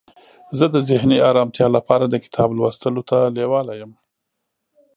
زه د ذهني آرامتیا لپاره د کتاب لوستلو ته لیواله یم.